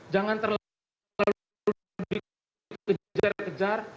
jangan terlalu dikejar kejar